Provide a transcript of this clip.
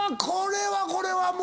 これはこれは。